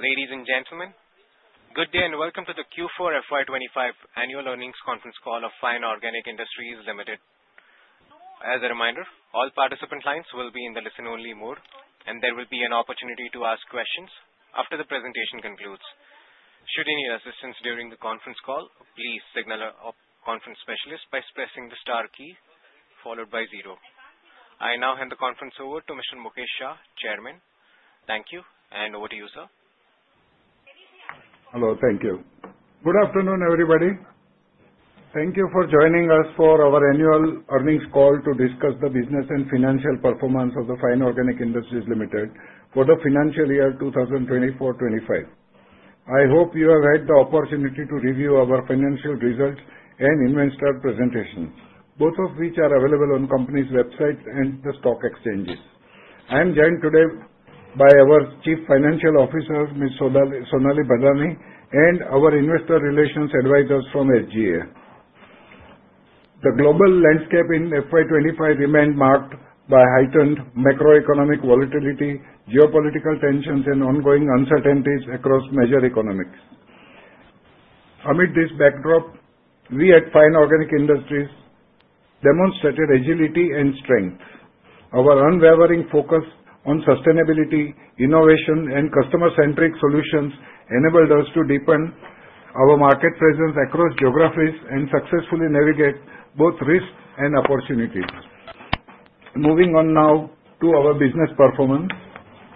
Ladies and gentlemen, good day and welcome to the Q4 FY 20 25 Annual Earnings Conference Call of Fine Organic Industries Limited. As a reminder, all participant lines will be in the listen-only mode, and there will be an opportunity to ask questions after the presentation concludes. Should you need assistance during the conference call, please signal a conference specialist by pressing the star key followed by zero. I now hand the conference over to Mr. Mukesh Shah, Chairman. Thank you, and over to you, sir. Hello, thank you. Good afternoon, everybody. Thank you for joining us for our annual earnings call to discuss the business and financial performance of the Fine Organic Industries Limited for the financial year 2024 to 2025. I hope you have had the opportunity to review our financial results and investor presentations, both of which are available on the company's website and the stock exchanges. I am joined today by our Chief Financial Officer, Ms. Sonali Bhadani, and our investor relations advisors from SGA. The global landscape in FY 2025 remained marked by heightened macroeconomic volatility, geopolitical tensions, and ongoing uncertainties across major economies. Amid this backdrop, we at Fine Organic Industries demonstrated agility and strength. Our unwavering focus on sustainability, innovation, and customer-centric solutions enabled us to deepen our market presence across geographies and successfully navigate both risks and opportunities. Moving on now to our business performance.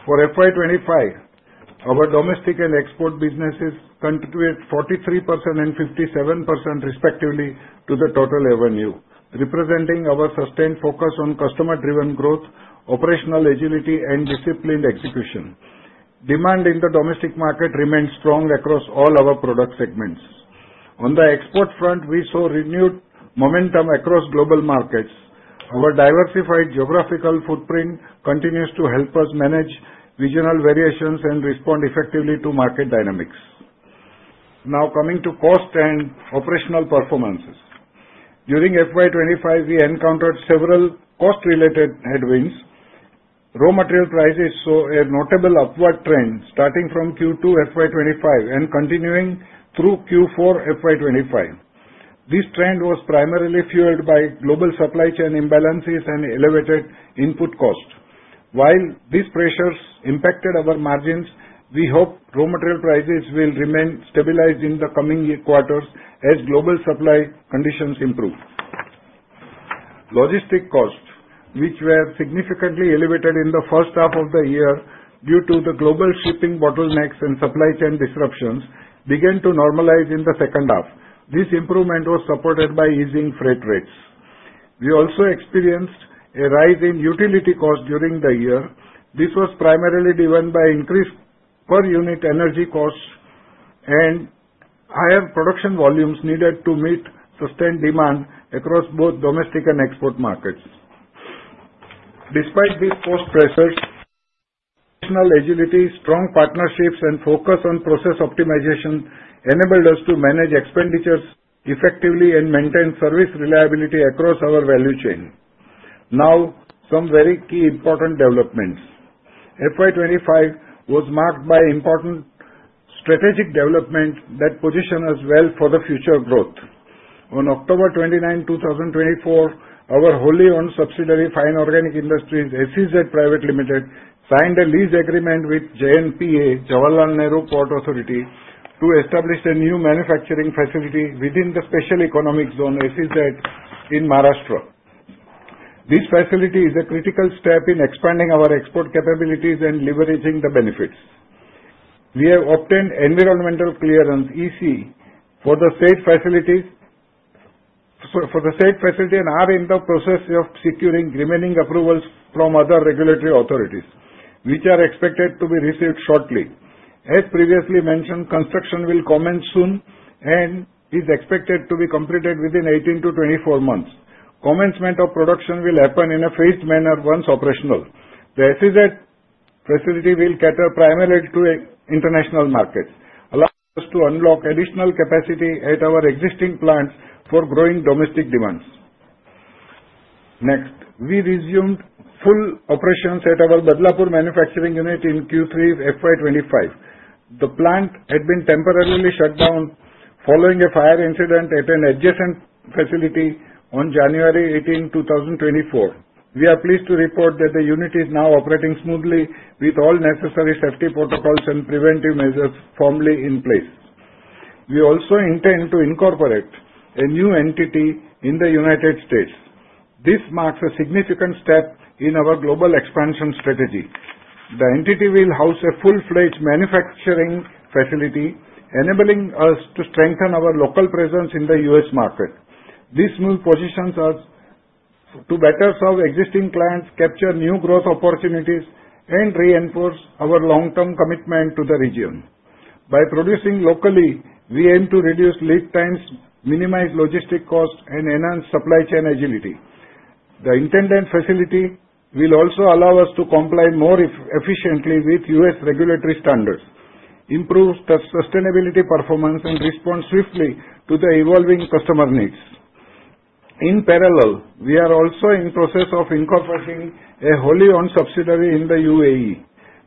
For FY 2025, our domestic and export businesses contributed 43% and 57% respectively to the total revenue, representing our sustained focus on customer-driven growth, operational agility, and disciplined execution. Demand in the domestic market remained strong across all our product segments. On the export front, we saw renewed momentum across global markets. Our diversified geographical footprint continues to help us manage regional variations and respond effectively to market dynamics. Now coming to cost and operational performance. During FY 2025, we encountered several cost-related headwinds. Raw material prices saw a notable upward trend starting from Q2 FY 2025 and continuing through Q4 FY 2025. This trend was primarily fueled by global supply chain imbalances and elevated input cost. While these pressures impacted our margins, we hope raw material prices will remain stabilized in the coming quarters as global supply conditions improve. Logistic costs, which were significantly elevated in the first half of the year due to the global shipping bottlenecks and supply chain disruptions, began to normalize in the second half. This improvement was supported by easing freight rates. We also experienced a rise in utility costs during the year. This was primarily driven by increased per-unit energy costs and higher production volumes needed to meet sustained demand across both domestic and export markets. Despite these cost pressures, agility, strong partnerships, and focus on process optimization enabled us to manage expenditures effectively and maintain service reliability across our value chain. Now, some very key important developments. FY 2025 was marked by important strategic developments that position us well for future growth. On October 29, 2024, our wholly-owned subsidiary Fine Organic Industries SEZ Private Limited signed a lease agreement with JNPA, Jawaharlal Nehru Port Authority, to establish a new manufacturing facility within the Special Economic Zone, SEZ, in Maharashtra. This facility is a critical step in expanding our export capabilities and leveraging the benefits. We have obtained environmental clearance, EC, for the state facility and are in the process of securing remaining approvals from other regulatory authorities, which are expected to be received shortly. As previously mentioned, construction will commence soon and is expected to be completed within 18-24 months. Commencement of production will happen in a phased manner once operational. The SEZ facility will cater primarily to international markets, allowing us to unlock additional capacity at our existing plants for growing domestic demands. Next, we resumed full operations at our Badlapur Manufacturing Unit in Q3 FY 2025. The plant had been temporarily shut down following a fire incident at an adjacent facility on January 18, 2024. We are pleased to report that the unit is now operating smoothly with all necessary safety protocols and preventive measures firmly in place. We also intend to incorporate a new entity in the United States. This marks a significant step in our global expansion strategy. The entity will house a full-fledged manufacturing facility, enabling us to strengthen our local presence in the U.S. market. This move positions us to better serve existing clients, capture new growth opportunities, and reinforce our long-term commitment to the region. By producing locally, we aim to reduce lead times, minimize logistic costs, and enhance supply chain agility. The intended facility will also allow us to comply more efficiently with U.S. regulatory standards, improve sustainability performance, and respond swiftly to the evolving customer needs. In parallel, we are also in the process of incorporating a wholly-owned subsidiary in the UAE.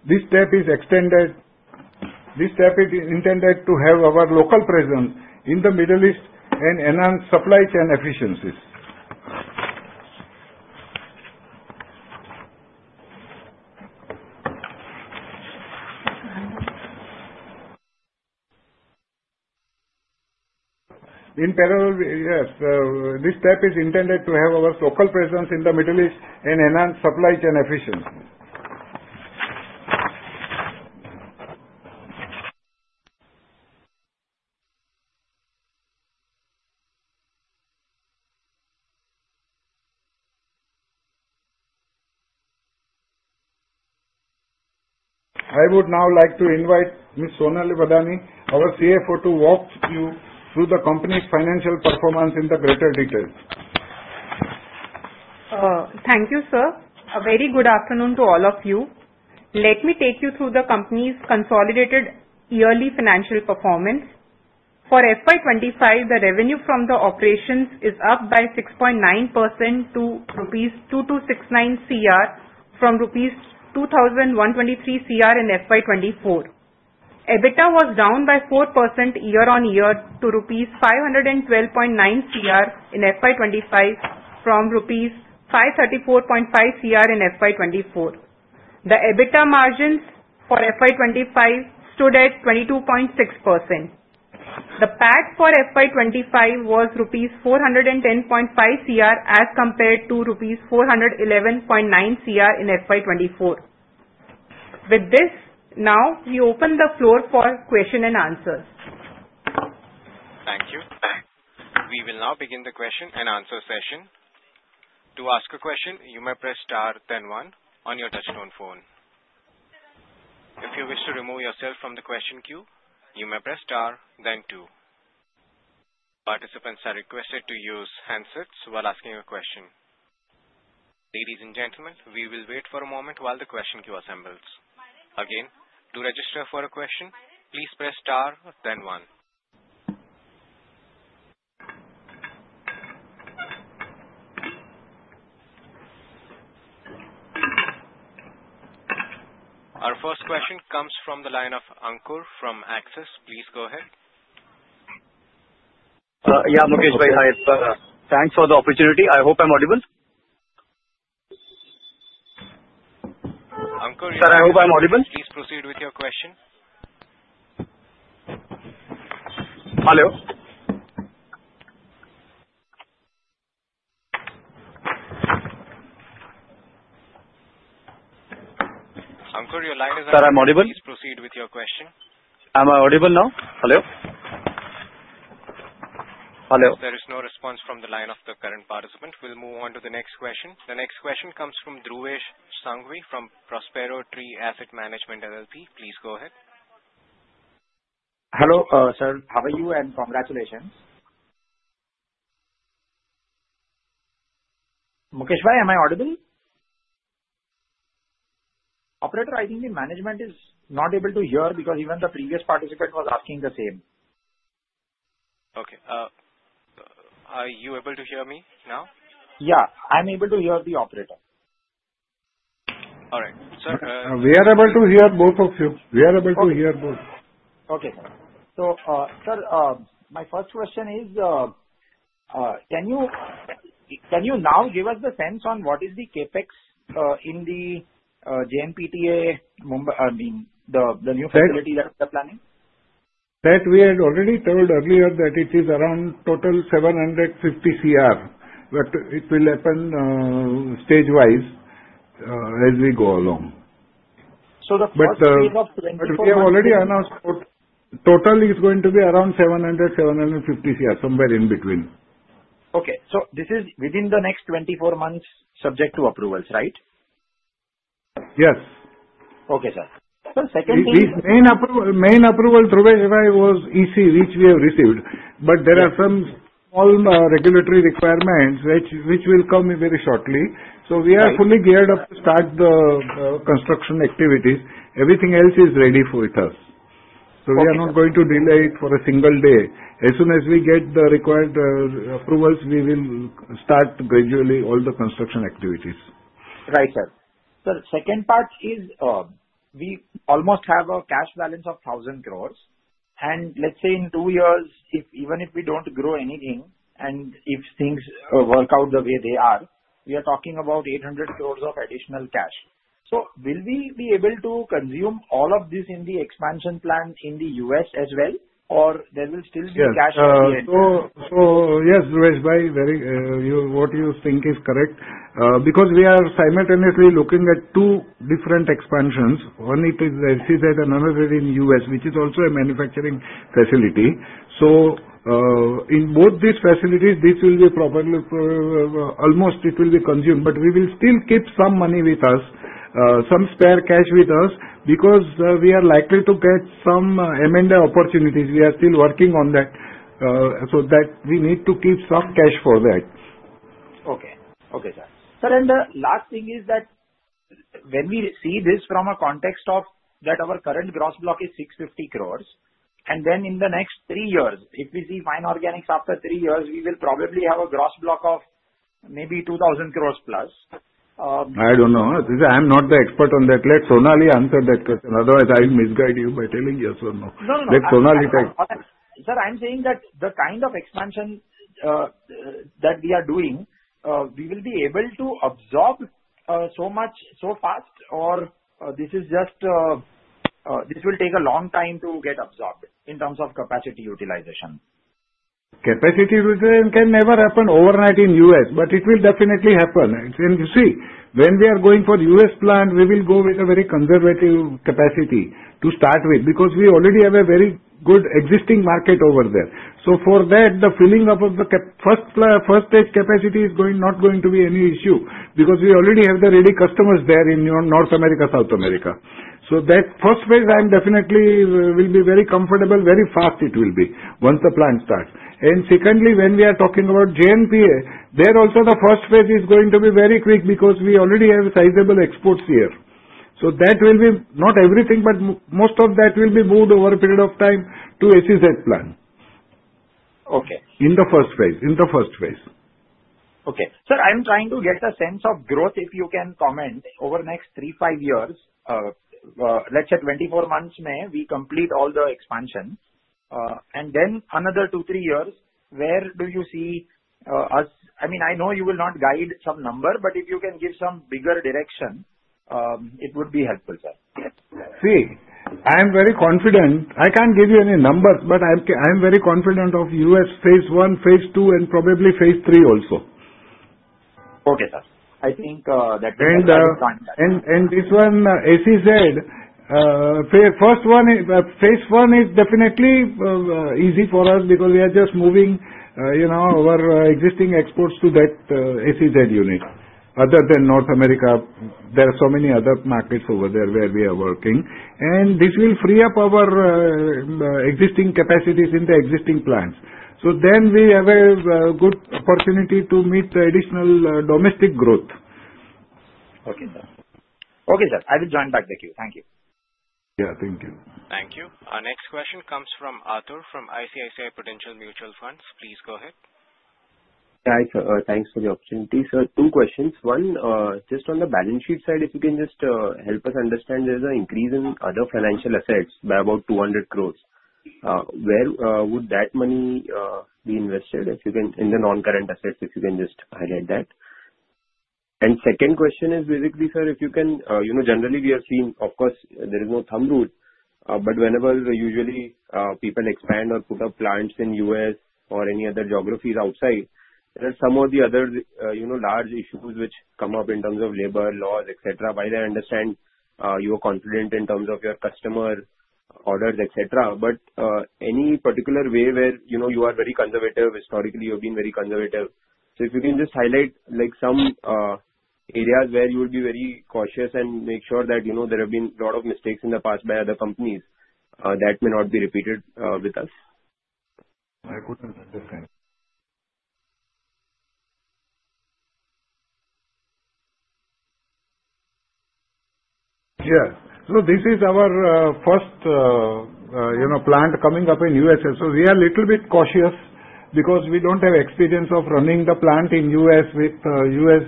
This step is intended to have our local presence in the Middle East and enhance supply chain efficiencies. I would now like to invite Ms. Sonali Bhadani, our CFO, to walk you through the company's financial performance in greater detail. Thank you, sir. A very good afternoon to all of you. Let me take you through the company's consolidated yearly financial performance. For FY 2025, the revenue from the operations is up by 6.9% to Rs. 2,269 CR from Rs. 2,123 CR in FY 2024. EBITDA was down by 4% year-on-year to Rs. 512.9 CR in FY 2025 from Rs. 534.5 CR in FY 2024. The EBITDA margins for FY 2025 stood at 22.6%. The PAT for FY 2025 was Rs. 410.5 CR as compared to Rs. 411.9 CR in FY 2024. With this, now we open the floor for questions and answers. Thank you. We will now begin the question and answer session. To ask a question, you may press star, then 1 on your touch-tone phone. If you wish to remove yourself from the question queue, you may press star, then 2. Participants are requested to use handsets while asking a question. Ladies and gentlemen, we will wait for a moment while the question queue assembles. Again, to register for a question, please press star, then 1. Our first question comes from the line of Ankur from Axis. Please go ahead. Yeah, Mukesh, by the way. Thanks for the opportunity. I hope I'm audible. Ankur, you're on. Sir, I hope I'm audible. Please proceed with your question. Hello. Ankur, your line is on. Sir, I'm audible. Please proceed with your question. Am I audible now? Hello. Hello. There is no response from the line of the current participant. We'll move on to the next question. The next question comes from Dhruvesh Sanghvi from Prospero Tree Asset Management LLP. Please go ahead. Hello, sir. How are you? And congratulations. Mukesh, by the way, am I audible? Operator, I think the management is not able to hear because even the previous participant was asking the same. Okay. Are you able to hear me now? Yeah, I'm able to hear the operator. All right. Sir. We are able to hear both of you. We are able to hear both. Okay, sir. So, sir, my first question is, can you now give us the sense on what is the capex in the JNPA, I mean, the new facility that we are planning? That we had already told earlier that it is around total 750 crore, but it will happen stage-wise as we go along. The first phase of 24 months. But we have already announced total is going to be around 700 to 750 crore, somewhere in between. Okay. So this is within the next 24 months, subject to approvals, right? Yes. Okay, sir. So second thing. The main approval, Dhruvesh, was EC, which we have received, but there are some small regulatory requirements which will come very shortly. So we are fully geared up to start the construction activities. Everything else is ready for us. So we are not going to delay it for a single day. As soon as we get the required approvals, we will start gradually all the construction activities. Right, sir. So the second part is we almost have a cash balance of 1,000 crore. And let's say in two years, even if we don't grow anything and if things work out the way they are, we are talking about 800 crore of additional cash. So will we be able to consume all of this in the expansion plan in the U.S. as well, or there will still be cash at the end? So yes, Dhruvesh, by the way, what you think is correct because we are simultaneously looking at two different expansions. One is SEZ and another is in the U.S., which is also a manufacturing facility. So in both these facilities, this will be probably almost it will be consumed, but we will still keep some money with us, some spare cash with us because we are likely to get some M&A opportunities. We are still working on that so that we need to keep some cash for that. Okay. Okay, sir. Sir, and the last thing is that when we see this from a context of that our current gross block is 650 cror, and then in the next three years, if we see Fine Organics after three years, we will probably have a gross block of maybe 2,000 crore plus. I don't know. I'm not the expert on that. Let Sonali answer that question. Otherwise, I'll misguide you by telling yes or no. No, no, no. Let Sonali take it. Sir, I'm saying that the kind of expansion that we are doing, we will be able to absorb so much so fast, or this will take a long time to get absorbed in terms of capacity utilization. Capacity utilization can never happen overnight in the U.S., but it will definitely happen. And you see, when we are going for the U.S. plant, we will go with a very conservative capacity to start with because we already have a very good existing market over there. So for that, the filling of the first-stage capacity is not going to be any issue because we already have the ready customers there in North America, South America. So that first phase, I'm definitely will be very comfortable. Very fast it will be once the plant starts. And secondly, when we are talking about JNPA, there also, the first phase is going to be very quick because we already have sizable exports here. So that will be not everything, but most of that will be moved over a period of time to SEZ plant in the first phase. Okay. Sir, I'm trying to get a sense of growth, if you can comment, over the next three, five years. Let's say 24 months may we complete all the expansion, and then another two, three years, where do you see us? I mean, I know you will not guide some number, but if you can give some bigger direction, it would be helpful, sir. See, I'm very confident. I can't give you any numbers, but I'm very confident of U.S. phase one, phase two, and probably phase three also. Okay, sir. I think that will be a good contact. And this one, SEZ, phase one is definitely easy for us because we are just moving our existing exports to that SEZ unit. Other than North America, there are so many other markets over there where we are working, and this will free up our existing capacities in the existing plants. So then we have a good opportunity to meet the additional domestic growth. Okay, sir. Okay, sir. I will join back the queue. Thank you. Yeah, thank you. Thank you. Our next question comes from Atharv from ICICI Prudential Mutual Fund. Please go ahead. Hi, sir. Thanks for the opportunity. Sir, two questions. One, just on the balance sheet side, if you can just help us understand, there is an increase in other financial assets by about 200 crore. Where would that money be invested in the non-current assets, if you can just highlight that? And second question is basically, sir, if you can generally, we have seen, of course, there is no thumb rule, but whenever usually people expand or put up plants in the U.S. or any other geographies outside, there are some of the other large issues which come up in terms of labor, laws, etc., while I understand you are confident in terms of your customer orders, etc., but any particular way where you are very conservative, historically, you have been very conservative. So if you can just highlight some areas where you would be very cautious and make sure that there have been a lot of mistakes in the past by other companies that may not be repeated with us. I couldn't understand. Yeah. No, this is our first plant coming up in the U.S. So we are a little bit cautious because we don't have experience of running the plant in the U.S. with U.S.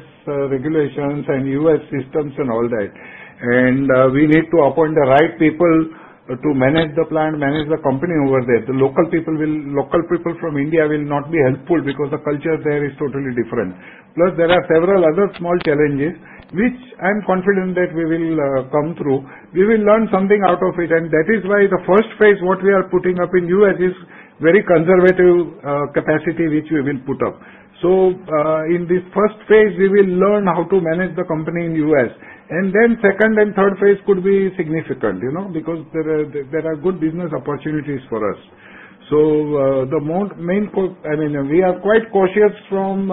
regulations and U.S. systems and all that. And we need to appoint the right people to manage the plant, manage the company over there. The local people from India will not be helpful because the culture there is totally different. Plus, there are several other small challenges, which I'm confident that we will come through. We will learn something out of it, and that is why the first phase, what we are putting up in the U.S., is very conservative capacity which we will put up. So in this first phase, we will learn how to manage the company in the U.S. And then second and third phase could be significant because there are good business opportunities for us. So the main, I mean, we are quite cautious from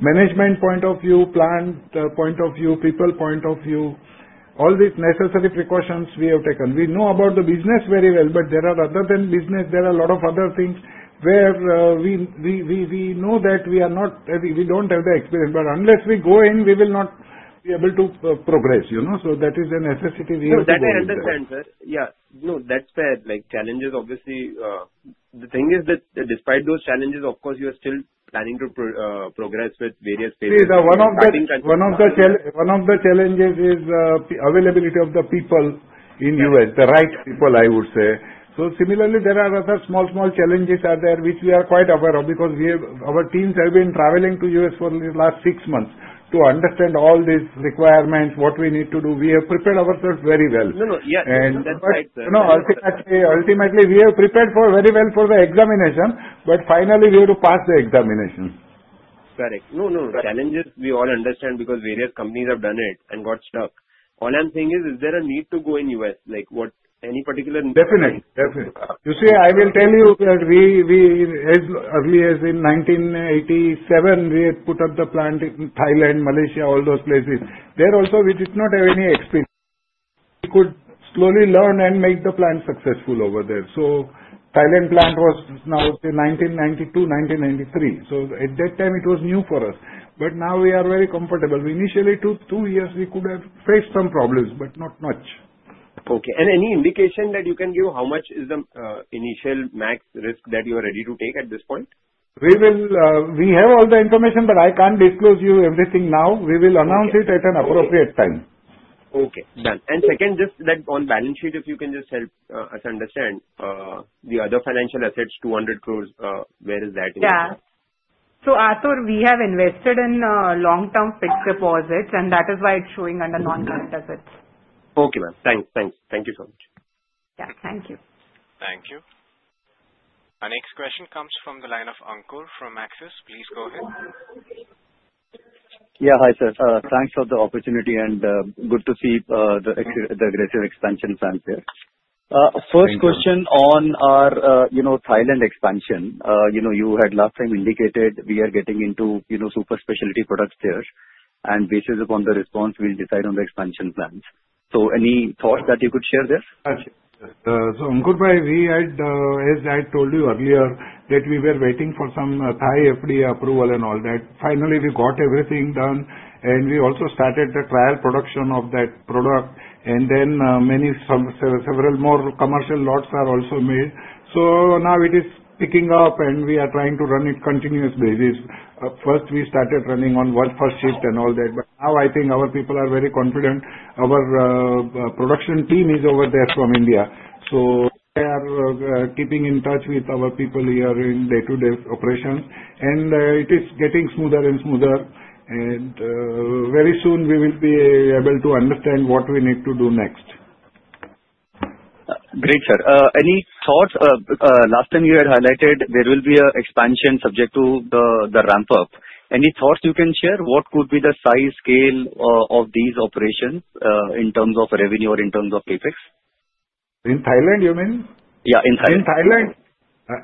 management point of view, plant point of view, people point of view. All these necessary precautions we have taken. We know about the business very well, but there are, other than business, there are a lot of other things where we know that we don't have the experience, but unless we go in, we will not be able to progress. So that is a necessity we have to. So that I understand, sir. Yeah. No, that's fair. Challenges, obviously. The thing is that despite those challenges, of course, you are still planning to progress with various phases of manufacturing. See, one of the challenges is availability of the people in the U.S., the right people, I would say. So similarly, there are other small, small challenges out there which we are quite aware of because our teams have been traveling to the U.S. for the last six months to understand all these requirements, what we need to do. We have prepared ourselves very well. No, no. Yeah, that's right, sir. No, ultimately, we have prepared very well for the examination, but finally, we have to pass the examination. Correct. No, no, no. Challenges, we all understand because various companies have done it and got stuck. All I'm saying is, is there a need to go in the U.S.? Any particular need? Definitely. Definitely. You see, I will tell you that as early as in 1987, we had put up the plant in Thailand, Malaysia, all those places. There also, we did not have any experience. We could slowly learn and make the plant successful over there. So Thailand plant was in 1992, 1993. So at that time, it was new for us. But now we are very comfortable. Initially, two years, we could have faced some problems, but not much. Okay. And any indication that you can give how much is the initial max risk that you are ready to take at this point? We have all the information, but I can't disclose you everything now. We will announce it at an appropriate time. Okay. Done. And second, just that on balance sheet, if you can just help us understand the other financial assets, 200 crore, where is that in the U.S.? Yeah. So, Arthur, we have invested in long-term fixed deposits, and that is why it's showing under non-current assets. Okay, ma'am. Thanks. Thanks. Thank you so much. Yeah. Thank you. Thank you. Our next question comes from the line of Ankur from Axis. Please go ahead. Yeah. Hi, sir. Thanks for the opportunity, and good to see the aggressive expansion plans here. First question on our Thailand expansion. You had last time indicated we are getting into super specialty products there, and based upon the response, we'll decide on the expansion plans. So any thoughts that you could share there? Okay. So Ankur, as I told you earlier, that we were waiting for some Thai FDA approval and all that. Finally, we got everything done, and we also started the trial production of that product, and then several more commercial lots are also made. So now it is picking up, and we are trying to run it on a continuous basis. First, we started running on workforce shift and all that, but now I think our people are very confident. Our production team is over there from India. So they are keeping in touch with our people here in day-to-day operations, and it is getting smoother and smoother. And very soon, we will be able to understand what we need to do next. Great, sir. Any thoughts? Last time you had highlighted there will be an expansion subject to the ramp-up. Any thoughts you can share? What could be the size, scale of these operations in terms of revenue or in terms of Capex? In Thailand, you mean? Yeah, in Thailand. In Thailand.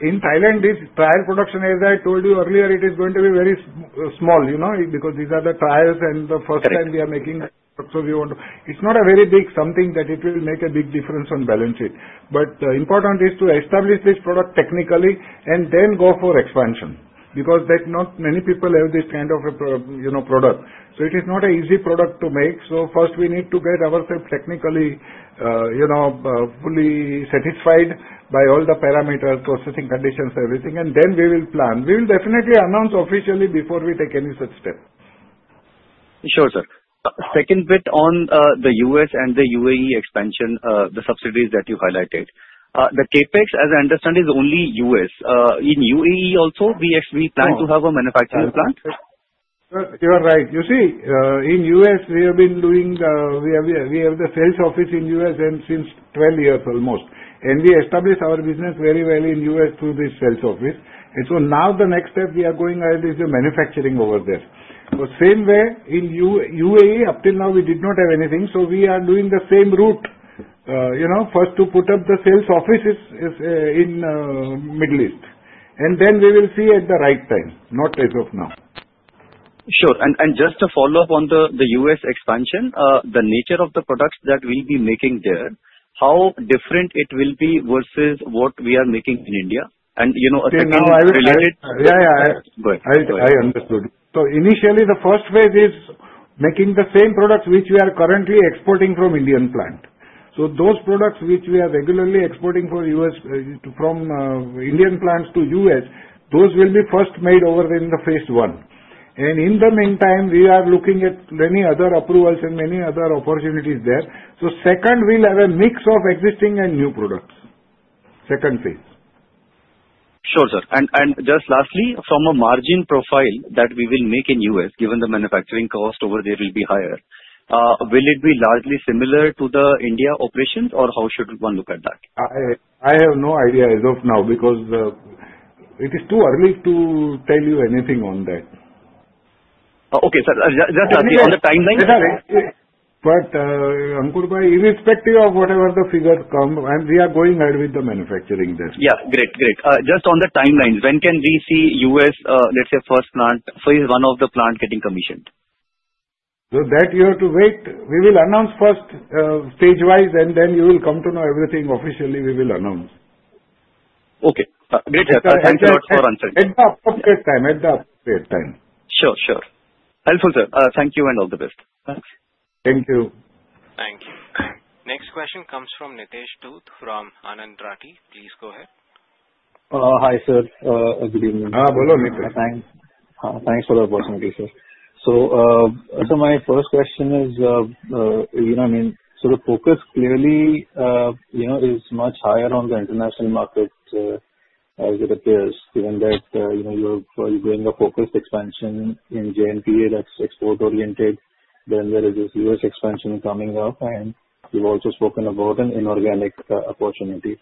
In Thailand, this trial production, as I told you earlier, it is going to be very small because these are the trials, and the first time we are making products, so we want to, it's not a very big something that it will make a big difference on balance sheet, but the important is to establish this product technically and then go for expansion because not many people have this kind of product, so it is not an easy product to make, so first, we need to get ourselves technically fully satisfied by all the parameters, processing conditions, everything, and then we will plan. We will definitely announce officially before we take any such step. Sure, sir. Second bit on the U.S. and the UAE expansion, the subsidies that you highlighted. The CapEx, as I understand, is only U.S. In UAE also, we plan to have a manufacturing plant? You are right. You see, in U.S., we have been doing. We have the sales office in the U.S. since 12 years almost, and we established our business very well in the U.S. through this sales office. Now the next step we are going ahead is the manufacturing over there. So same way in UAE, up till now, we did not have anything, so we are doing the same route. First, to put up the sales office is in the Middle East, and then we will see at the right time, not as of now. Sure. And just to follow up on the U.S. expansion, the nature of the products that we'll be making there, how different it will be versus what we are making in India? And a second related. Yeah, yeah. Go ahead. I understood, so initially, the first phase is making the same products which we are currently exporting from Indian plant, so those products which we are regularly exporting from Indian plants to the U.S., those will be first made over there in the phase one, and in the meantime, we are looking at many other approvals and many other opportunities there, so second, we'll have a mix of existing and new products, second phase. Sure, sir. And just lastly, from a margin profile that we will make in the U.S., given the manufacturing cost over there will be higher, will it be largely similar to the India operations, or how should one look at that? I have no idea as of now because it is too early to tell you anything on that. Okay, sir. Just asking on the timeline. But Ankur, irrespective of whatever the figures come, we are going ahead with the manufacturing there. Yeah. Great. Great. Just on the timelines, when can we see U.S., let's say, first plant, first one of the plants getting commissioned? So that you have to wait. We will announce first stage-wise, and then you will come to know everything officially we will announce. Okay. Great, sir. Thank you a lot for answering. At the appropriate time. Sure, sure. Helpful, sir. Thank you and all the best. Thanks. Thank you. Thank you. Next question comes from Nitesh Dhoot from Anand Rathi. Please go ahead. Hi, sir. Good evening. Hi, Nitesh. Thanks for the opportunity, sir. My first question is, I mean, the focus clearly is much higher on the international market as it appears, given that you're doing a focused expansion in JNPA that's export-oriented, then there is this U.S. expansion coming up, and you've also spoken about an inorganic opportunity.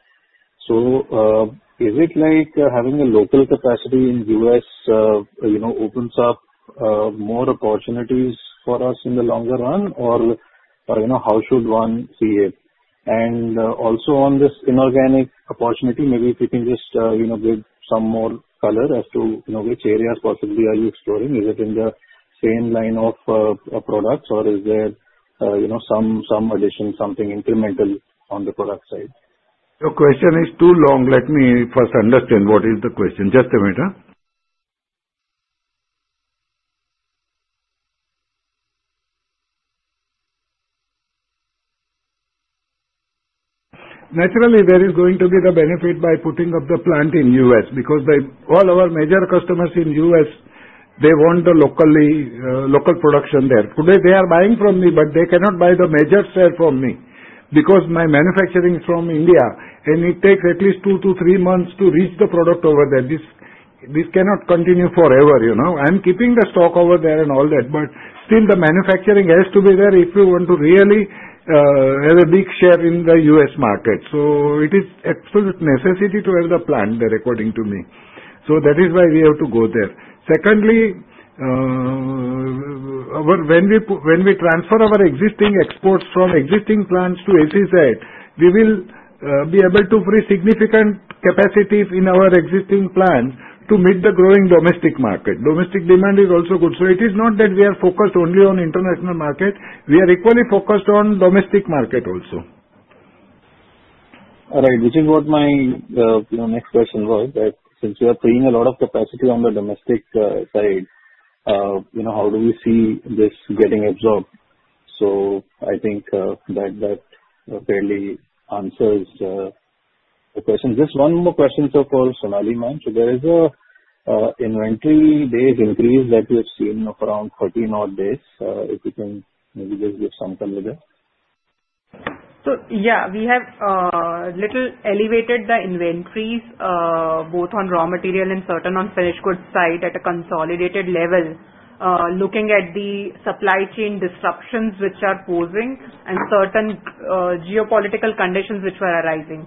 Is it like having a local capacity in the U.S. opens up more opportunities for us in the longer run, or how should one see it? And also on this inorganic opportunity, maybe if you can just give some more color as to which areas possibly are you exploring. Is it in the same line of products, or is there some addition, something incremental on the product side? Your question is too long. Let me first understand what is the question. Just a minute. Naturally, there is going to be the benefit by putting up the plant in the U.S. because all our major customers in the U.S., they want the local production there. Today, they are buying from me, but they cannot buy the major share from me because my manufacturing is from India, and it takes at least two to three months to reach the product over there. This cannot continue forever. I'm keeping the stock over there and all that, but still the manufacturing has to be there if we want to really have a big share in the U.S. market. So it is absolute necessity to have the plant there, according to me. So that is why we have to go there. Secondly, when we transfer our existing exports from existing plants to SEZ, we will be able to free significant capacity in our existing plants to meet the growing domestic market. Domestic demand is also good, so it is not that we are focused only on the international market. We are equally focused on the domestic market also. All right. Which is what my next question was, that since you are freeing a lot of capacity on the domestic side, how do we see this getting absorbed? So I think that fairly answers the question. Just one more question for Sonali, ma'am. So there is an inventory base increase that we have seen of around 13 odd days. If you can maybe just give some cover there. Yeah, we have a little elevated the inventories, both on raw material and certain on finished goods side at a consolidated level, looking at the supply chain disruptions which are posing and certain geopolitical conditions which are arising.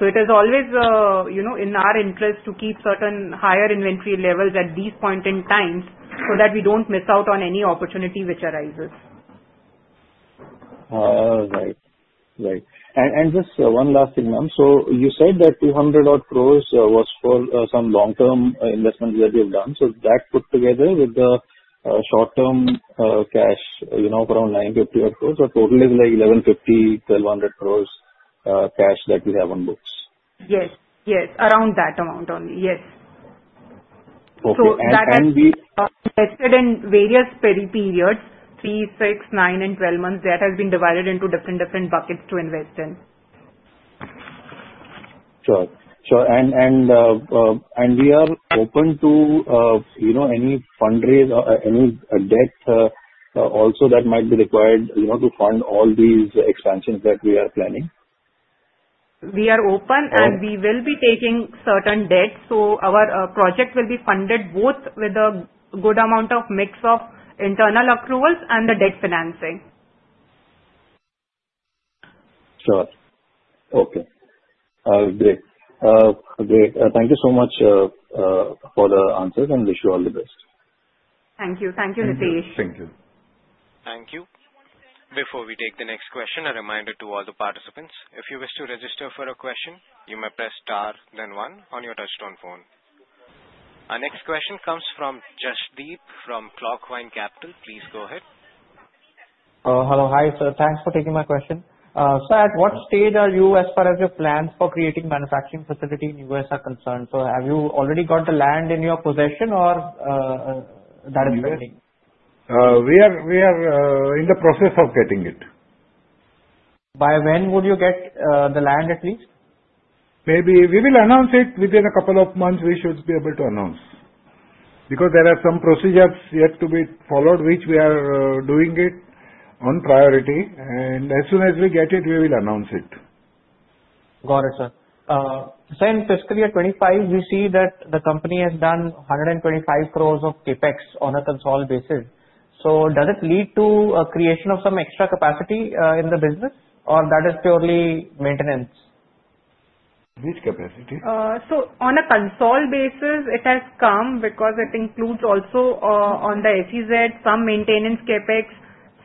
It is always in our interest to keep certain higher inventory levels at these points in time so that we don't miss out on any opportunity which arises. All right. Right. And just one last thing, ma'am. So you said that 200 odd crore was for some long-term investments that you've done. So that put together with the short-term cash of around 950 odd crore, so total is like 1,150 to 1,200 crore cash that we have on books. Yes. Yes. Around that amount only. Yes. Okay. And we. Invested in various periods, three, six, nine, and twelve months. That has been divided into different buckets to invest in. Sure. Sure, and we are open to any fundraise, any debt also that might be required to fund all these expansions that we are planning? We are open, and we will be taking certain debt, so our project will be funded both with a good amount of mix of internal approvals and the debt financing. Sure. Okay. Great. Great. Thank you so much for the answers, and wish you all the best. Thank you. Thank you, Nitesh. Thank you. Thank you. Before we take the next question, a reminder to all the participants. If you wish to register for a question, you may press star, then one on your touchstone phone. Our next question comes from Jasdeep from Clockvine Capital. Please go ahead. Hello. Hi, sir. Thanks for taking my question. So at what stage are you as far as your plans for creating manufacturing facility in the U.S. are concerned? So have you already got the land in your possession, or that is pending? We are in the process of getting it. By when would you get the land, at least? Maybe we will announce it within a couple of months. We should be able to announce because there are some procedures yet to be followed, which we are doing it on priority, and as soon as we get it, we will announce it. Got it, sir. So in fiscal year 25, we see that the company has done 125 crore of CapEx on a consolidated basis. So does it lead to a creation of some extra capacity in the business, or that is purely maintenance? Which capacity? On a consolidated basis, it has come because it includes also on the acquisition side some maintenance CapEx,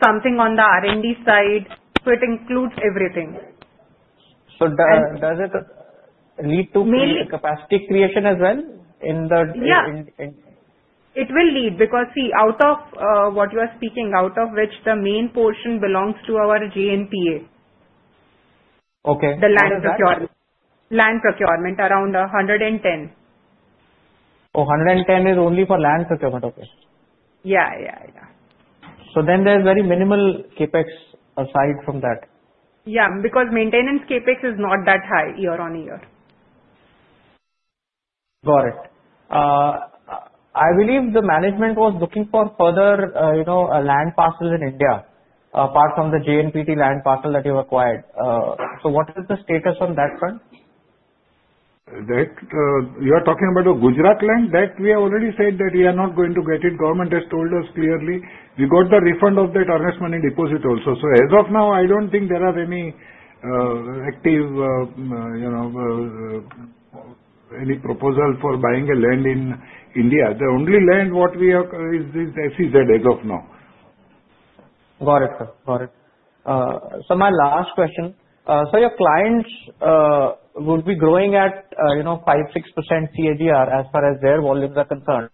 something on the R&D side. It includes everything. So does it lead to capacity creation as well in the? Yes. It will lead because, see, out of what you are speaking, out of which the main portion belongs to our JNPA. Okay. The land procurement. Land procurement, around 110. Oh, 110 is only for land procurement. Okay. Yeah, yeah, yeah. So then there's very minimal CapEx aside from that. Yeah. Because maintenance Capex is not that high year on year. Got it. I believe the management was looking for further land parcels in India, apart from the JNPA land parcel that you've acquired. So what is the status on that front? You are talking about a Gujarat land? That we have already said that we are not going to get it. Government has told us clearly. We got the refund of that investment and deposit also. So as of now, I don't think there are any active, any proposal for buying a land in India. The only land what we have is this SEZ as of now. Got it, sir. Got it. So my last question. So your clients would be growing at 5-6% CAGR as far as their volumes are concerned,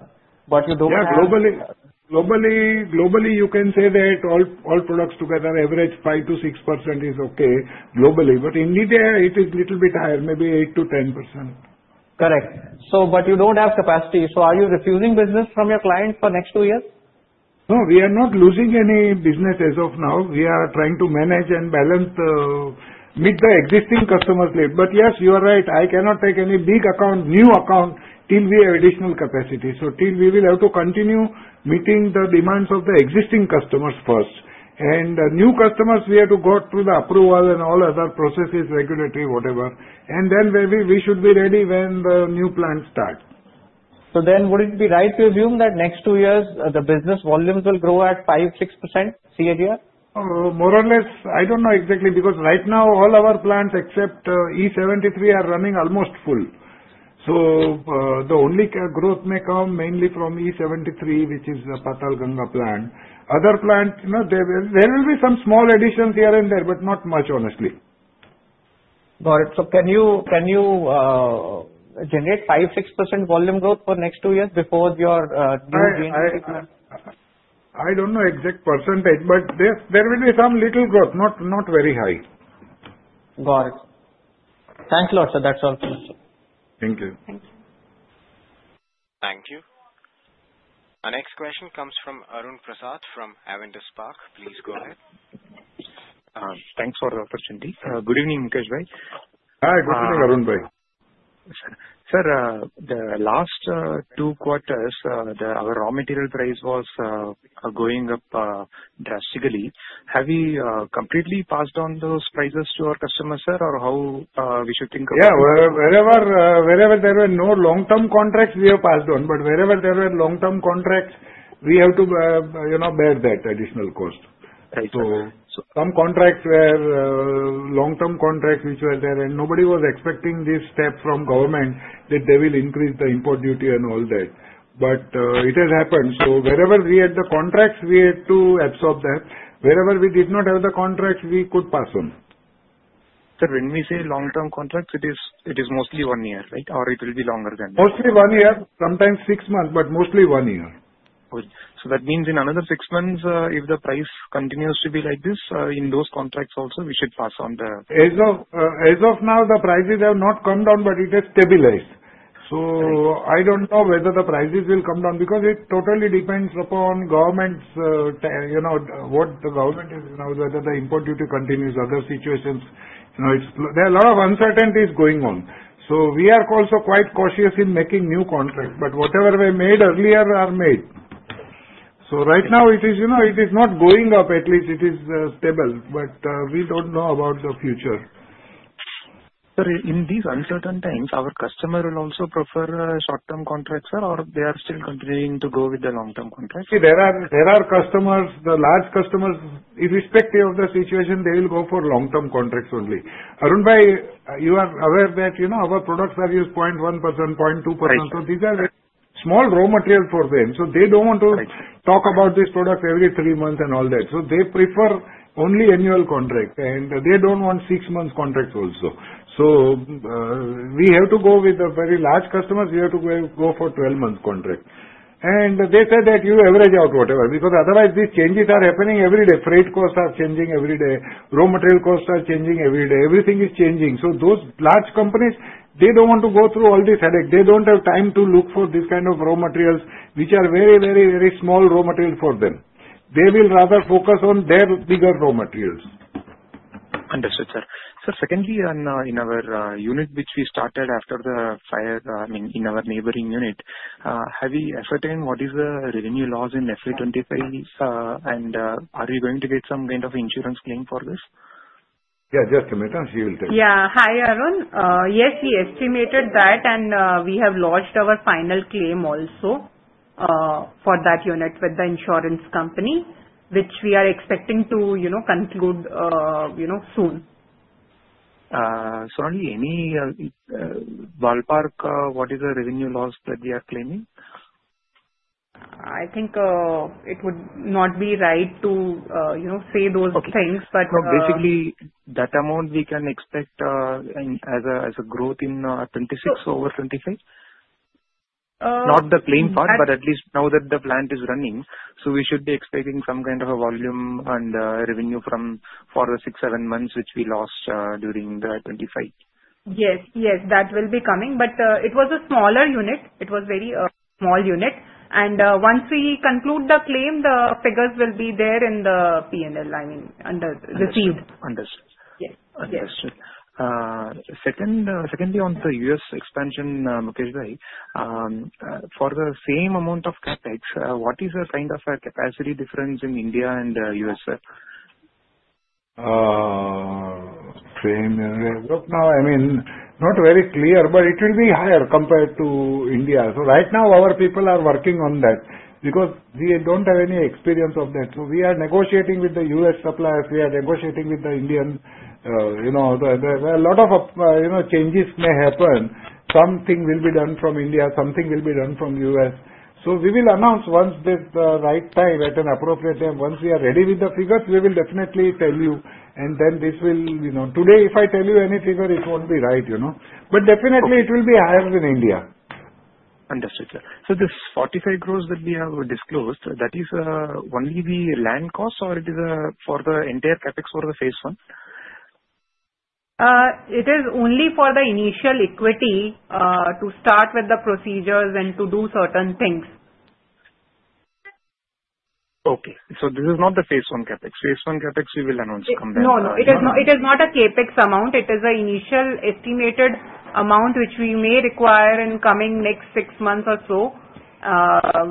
but you don't have. Yeah. Globally, you can say that all products together average 5%-6% is okay globally. But in India, it is a little bit higher, maybe 8%-10%. Correct. But you don't have capacity. So are you refusing business from your clients for the next two years? No. We are not losing any business as of now. We are trying to manage and balance, meet the existing customers' needs. But yes, you are right. I cannot take any big account, new account till we have additional capacity. So till we will have to continue meeting the demands of the existing customers first. And new customers, we have to go through the approval and all other processes, regulatory, whatever. And then we should be ready when the new plants start. So then would it be right to assume that next two years, the business volumes will grow at 5%-6% CAGR? More or less, I don't know exactly because right now, all our plants, except E73, are running almost full. So the only growth may come mainly from E73, which is the Patalganga plant. Other plants, there will be some small additions here and there, but not much, honestly. Got it. So can you generate 5%-6% volume growth for the next two years before your JNPA plant? I don't know exact percentage, but there will be some little growth, not very high. Got it. Thanks a lot, sir. That's all from us, sir. Thank you. Thank you. Thank you. Our next question comes from Arun Prasad from Avendus Spark. Please go ahead. Thanks for the opportunity. Good evening, Mukesh Bhai. Hi. Good evening, Arun Bhai. Sir, the last two quarters, our raw material price was going up drastically. Have we completely passed on those prices to our customers, sir, or how we should think about it? Yeah. Wherever there were no long-term contracts, we have passed on. But wherever there were long-term contracts, we have to bear that additional cost. So some contracts were long-term contracts which were there, and nobody was expecting this step from government that they will increase the import duty and all that. But it has happened. So wherever we had the contracts, we had to absorb that. Wherever we did not have the contracts, we could pass on. Sir, when we say long-term contracts, it is mostly one year, right, or it will be longer than that? Mostly one year. Sometimes six months, but mostly one year. Good. So that means in another six months, if the price continues to be like this, in those contracts also, we should pass on the. As of now, the prices have not come down, but it has stabilized. So I don't know whether the prices will come down because it totally depends upon government's what the government is, whether the import duty continues, other situations. There are a lot of uncertainties going on. So we are also quite cautious in making new contracts, but whatever we made earlier are made. So right now, it is not going up. At least it is stable, but we don't know about the future. Sir, in these uncertain times, our customers will also prefer short-term contracts, sir, or they are still continuing to go with the long-term contracts? See, there are customers, the large customers, irrespective of the situation, they will go for long-term contracts only. Arun Bhai, you are aware that our products are used 0.1%, 0.2%. So these are small raw materials for them. So they don't want to talk about this product every three months and all that. So they prefer only annual contracts, and they don't want six-month contracts also. So we have to go with the very large customers. We have to go for a 12-month contract. And they said that you average out whatever because otherwise these changes are happening every day. Freight costs are changing every day. Raw material costs are changing every day. Everything is changing. So those large companies, they don't want to go through all this headache. They don't have time to look for this kind of raw materials which are very, very, very small raw materials for them. They will rather focus on their bigger raw materials. Understood, sir. Sir, secondly, in our unit which we started after the fire, I mean, in our neighboring unit, have we ascertained what is the revenue loss in FY 2025, and are we going to get some kind of insurance claim for this? Yeah. Just a minute, and she will tell you. Yeah. Hi, Arun. Yes, we estimated that, and we have lodged our final claim also for that unit with the insurance company, which we are expecting to conclude soon. Sonali, any ballpark of what is the revenue loss that we are claiming? I think it would not be right to say those things, but. So basically, that amount we can expect as a growth in 26 over 25? Not the claim part, but at least now that the plant is running, so we should be expecting some kind of a volume and revenue for the six, seven months which we lost during the 25. Yes. Yes. That will be coming, but it was a smaller unit. It was a very small unit, and once we conclude the claim, the figures will be there in the P&L, I mean, under the SEZ. Understood. Understood. Yes. Understood. Secondly, on the U.S. expansion, Mukesh Bhai, for the same amount of Capex, what is the kind of capacity difference in India and U.S., sir? Right now, I mean, not very clear, but it will be higher compared to India. So right now, our people are working on that because we don't have any experience of that. So we are negotiating with the U.S. suppliers. We are negotiating with the Indian. There are a lot of changes may happen. Something will be done from India. Something will be done from the U.S. So we will announce once there's the right time, at an appropriate time. Once we are ready with the figures, we will definitely tell you. And then this will today, if I tell you any figure, it won't be right. But definitely, it will be higher than India. Understood, sir. So this 45 crore that we have disclosed, that is only the land costs, or it is for the entire Capex for the phase one? It is only for the initial equity to start with the procedures and to do certain things. Okay. So this is not the phase one Capex. Phase one Capex, we will announce coming up. No, no. It is not a CapEx amount. It is an initial estimated amount which we may require in the coming next six months or so,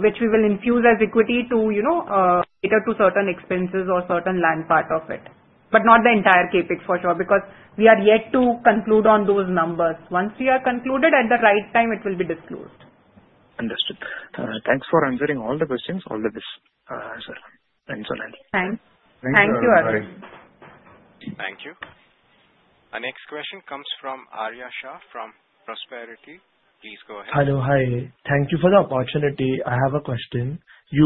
which we will infuse as equity later to certain expenses or certain land part of it. But not the entire CapEx, for sure, because we are yet to conclude on those numbers. Once we are concluded, at the right time, it will be disclosed. Understood. Thanks for answering all the questions, all this, sir and Sonali. Thanks. Thank you, Arun. Thank you. Our next question comes from Aarya Shah from Prospero Tree. Please go ahead. Hello. Hi. Thank you for the opportunity. I have a question.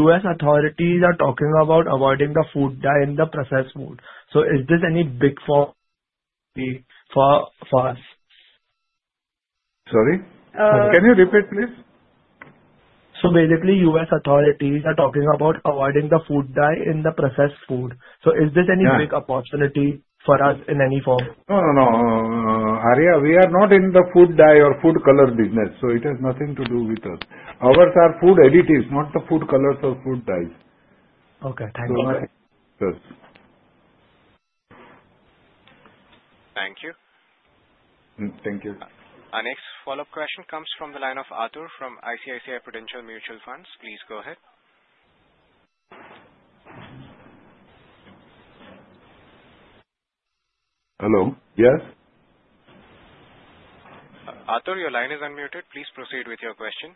U.S. authorities are talking about avoiding the food dye in the processed food. So is this any big for us? Sorry? Can you repeat, please? So basically, U.S. authorities are talking about avoiding the food dye in the processed food. So is this any big opportunity for us in any form? No, no, no. Arya, we are not in the food dye or food color business, so it has nothing to do with us. Ours are food additives, not the food colors or food dyes. Okay. Thank you. So much. Thank you. Thank you. Our next follow-up question comes from the line of Arthur from ICICI Prudential Mutual Fund. Please go ahead. Hello? Yes? Arthur, your line is unmuted. Please proceed with your question.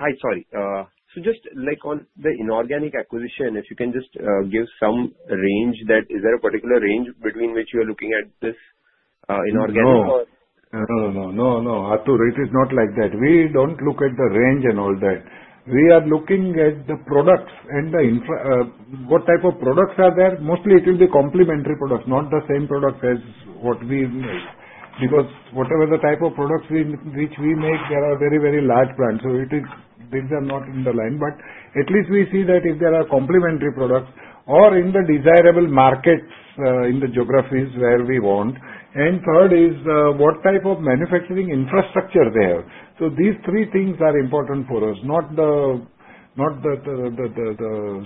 Hi, sorry. So just like on the inorganic acquisition, if you can just give some range, is there a particular range between which you are looking at this inorganic or? No, no, no. No, no. Arthur, it is not like that. We don't look at the range and all that. We are looking at the products and what type of products are there. Mostly, it will be complementary products, not the same products as what we make because whatever the type of products which we make, there are very, very large plants. So these are not in the line. But at least we see that if there are complementary products or in the desirable markets in the geographies where we want, and third is what type of manufacturing infrastructure they have. So these three things are important for us, not the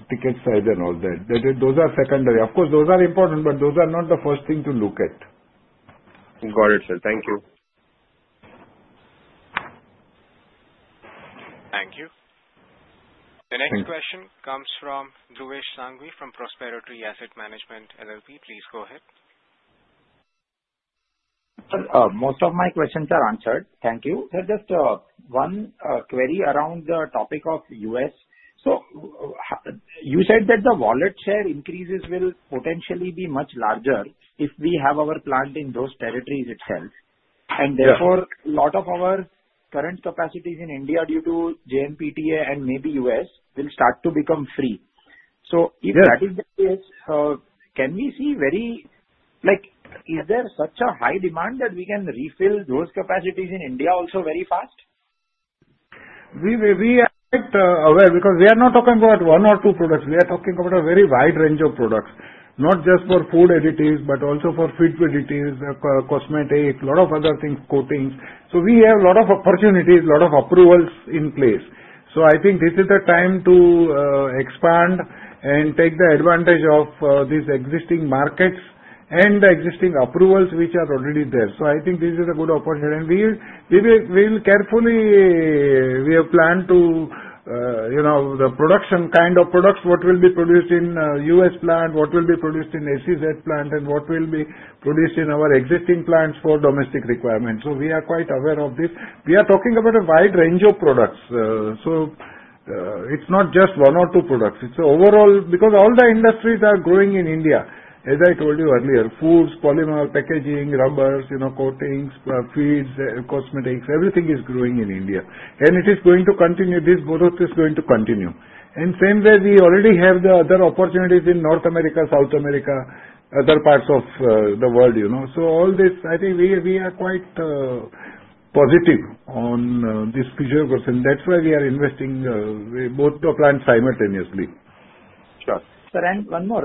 ticket size and all that. Those are secondary. Of course, those are important, but those are not the first thing to look at. Got it, sir. Thank you. Thank you. The next question comes from Dhruvesh Sanghvi from Prospero Tree Asset Management LLP. Please go ahead. Sir, most of my questions are answered. Thank you. Sir, just one query around the topic of U.S. So you said that the wallet share increases will potentially be much larger if we have our plant in those territories itself. And therefore, a lot of our current capacities in India due to JNPA and maybe U.S. will start to become free. So if that is the case, can we see? Is there such a high demand that we can refill those capacities in India also very fast? We are aware because we are not talking about one or two products. We are talking about a very wide range of products, not just for food additives, but also for feed additives, cosmetics, a lot of other things, coatings. So we have a lot of opportunities, a lot of approvals in place. So I think this is the time to expand and take the advantage of these existing markets and the existing approvals which are already there. So I think this is a good opportunity. We will carefully plan to the production kind of products, what will be produced in U.S. plant, what will be produced in SEZ plant, and what will be produced in our existing plants for domestic requirements. So we are quite aware of this. We are talking about a wide range of products. So it's not just one or two products. It's overall because all the industries are growing in India, as I told you earlier: foods, polymer packaging, rubbers, coatings, feeds, cosmetics—everything is growing in India, and it is going to continue. This growth is going to continue, and same way, we already have the other opportunities in North America, South America, other parts of the world, so all this, I think we are quite positive on this future. That's why we are investing both the plants simultaneously. Sure. Sir, and one more.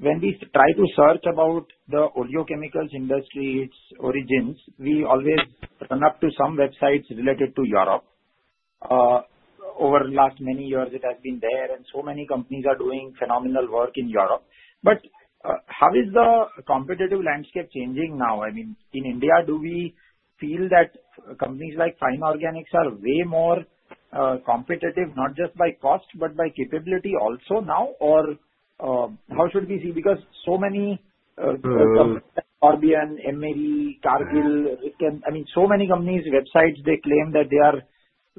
When we try to search about the oleochemicals industry, its origins, we always run up to some websites related to Europe. Over the last many years, it has been there, and so many companies are doing phenomenal work in Europe. But how is the competitive landscape changing now? I mean, in India, do we feel that companies like Fine Organics are way more competitive, not just by cost, but by capability also now, or how should we see? Because so many companies like Corbion, Emery, Cargill, Riken, I mean, so many companies, websites, they claim that they are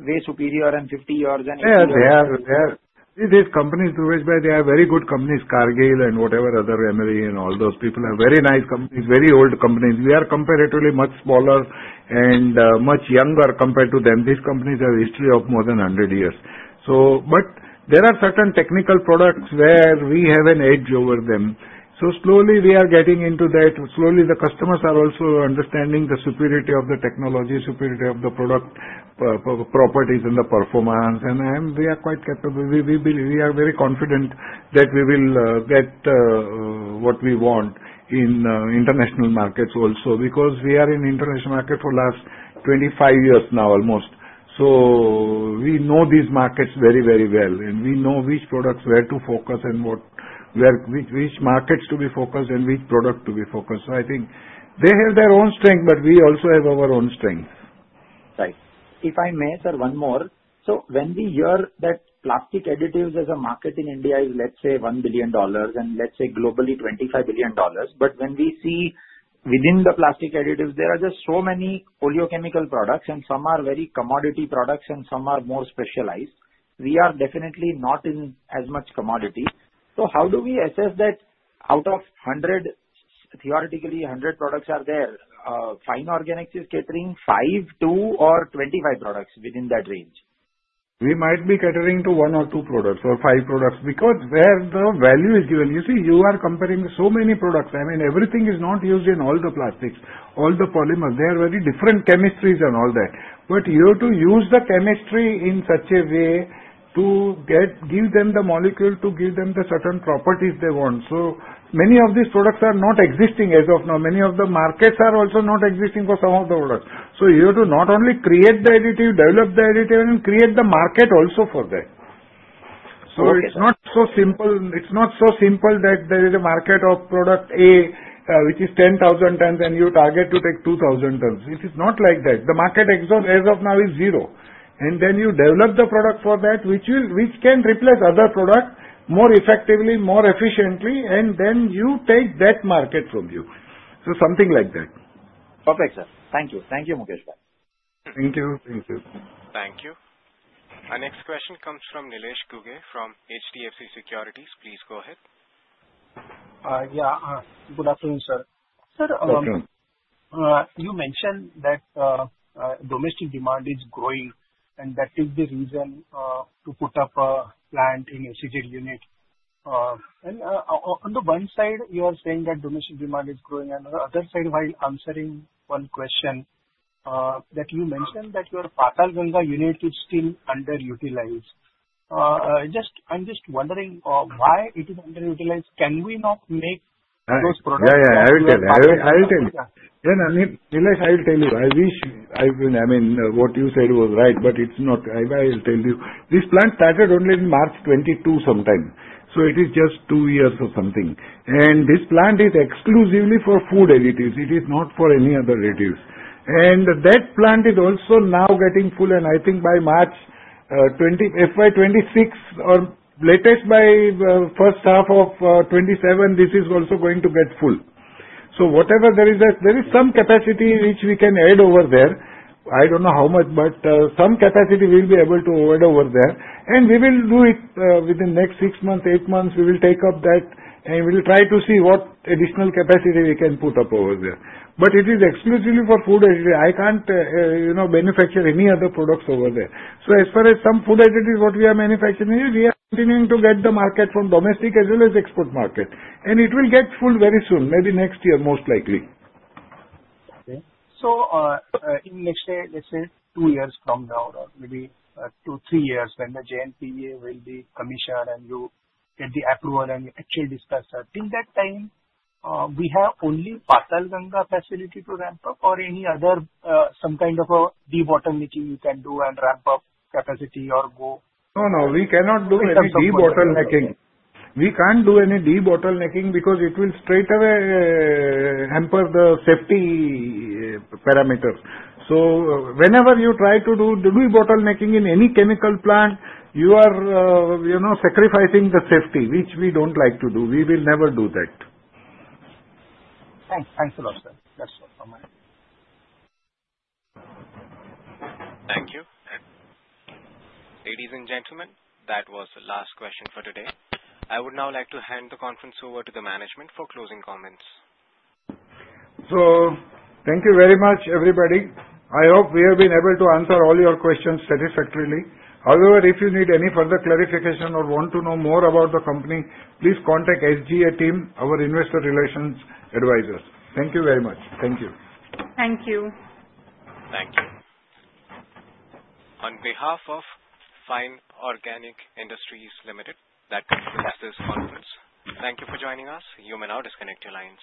way superior and 50 years and 80 years. Yeah. They are. See, these companies, Dhruvesh Bhai, they are very good companies. Cargill and whatever other Emery and all those people are very nice companies, very old companies. We are comparatively much smaller and much younger compared to them. These companies have a history of more than 100 years. But there are certain technical products where we have an edge over them. So slowly, we are getting into that. Slowly, the customers are also understanding the superiority of the technology, superiority of the product properties and the performance. And we are quite capable. We are very confident that we will get what we want in international markets also because we are in international market for the last 25 years now almost. So we know these markets very, very well, and we know which products, where to focus, and which markets to be focused and which product to be focused. So I think they have their own strength, but we also have our own strengths. Right. If I may, sir, one more. So when we hear that plastic additives as a market in India is, let's say, $1 billion and, let's say, globally, $25 billion, but when we see within the plastic additives, there are just so many oleochemical products, and some are very commodity products, and some are more specialized. We are definitely not in as much commodity. So how do we assess that out of theoretically, 100 products are there, Fine Organics is catering five, two, or 25 products within that range? We might be catering to one or two products or five products because where the value is given. You see, you are comparing so many products. I mean, everything is not used in all the plastics, all the polymers. They are very different chemistries and all that. But you have to use the chemistry in such a way to give them the molecule to give them the certain properties they want. So many of these products are not existing as of now. Many of the markets are also not existing for some of the products. So you have to not only create the additive, develop the additive, and create the market also for that. So it's not so simple. It's not so simple that there is a market of product A, which is 10,000 tons, and you target to take 2,000 tons. It is not like that. The market as of now is zero, and then you develop the product for that, which can replace other products more effectively, more efficiently, and then you take that market from you, so something like that. Perfect, sir. Thank you. Thank you, Mukesh Bhai. Thank you. Thank you. Thank you. Our next question comes from Nilesh Ghuge from HDFC Securities. Please go ahead. Yeah. Good afternoon, sir. Welcome. You mentioned that domestic demand is growing, and that is the reason to put up a plant in SEZ unit. On the one side, you are saying that domestic demand is growing. On the other side, while answering one question, you mentioned that your Patalganga unit is still underutilized. I'm just wondering why it is underutilized? Can we not make those products? Yeah, yeah. I will tell you. I will tell you. And I mean, Nilesh, I will tell you. I wish I mean, what you said was right, but it's not. I will tell you. This plant started only in March 2022 sometime. So it is just two years or something. And this plant is exclusively for food additives. It is not for any other additives. And that plant is also now getting full. And I think by March 2025, FY 2026, or latest by first half of 2027, this is also going to get full. So whatever there is, there is some capacity which we can add over there. I don't know how much, but some capacity we'll be able to add over there. And we will do it within the next six months, eight months. We will take up that, and we will try to see what additional capacity we can put up over there. But it is exclusively for food additives. I can't manufacture any other products over there. So as far as some food additives, what we are manufacturing, we are continuing to get the market from domestic as well as export market, and it will get full very soon, maybe next year, most likely. So, in, let's say, two years from now, or maybe two, three years, when the JNPA will be commissioned and you get the approval and you actually discuss that, till that time, we have only Patalganga facility to ramp up, or any other some kind of a debottlenecking you can do and ramp up capacity or go? No, no. We cannot do any debottlenecking. We can't do any debottlenecking because it will straightaway hamper the safety parameters. So whenever you try to do debottlenecking in any chemical plant, you are sacrificing the safety, which we don't like to do. We will never do that. Thanks. Thanks a lot, sir. That's all from me. Thank you. Ladies and gentlemen, that was the last question for today. I would now like to hand the conference over to the management for closing comments. So thank you very much, everybody. I hope we have been able to answer all your questions satisfactorily. However, if you need any further clarification or want to know more about the company, please contact SGA team, our investor relations advisors. Thank you very much. Thank you. Thank you. Thank you. On behalf of Fine Organic Industries Limited, that concludes this conference. Thank you for joining us. You may now disconnect your lines.